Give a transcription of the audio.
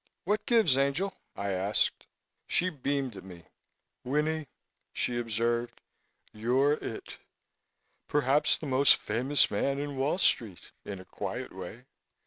"What gives, angel?" I asked. She beamed at me. "Winnie," she observed, "you're it. Perhaps the most famous man in Wall Street, in a quiet way.